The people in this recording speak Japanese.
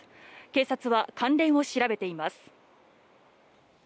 警察は関連を調べています。